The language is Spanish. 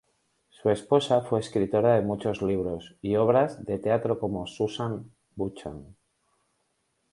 Su esposa fue escritora de muchos libros y obras de teatro como Susan Buchan.